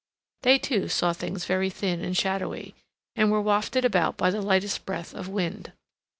They, too, saw things very thin and shadowy, and were wafted about by the lightest breath of wind.